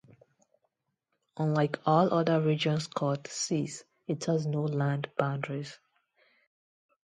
Unlike all other regions called seas, it has no land boundaries.